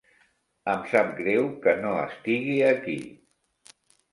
Em sap greu que no estigui aquí.